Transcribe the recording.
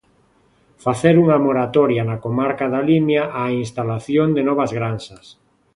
Facer unha moratoria na comarca da Limia á instalación de novas granxas.